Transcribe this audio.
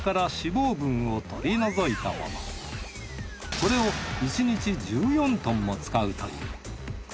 これを１日１４トンも使うという。